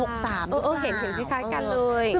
เห็นคล้ายกันเลย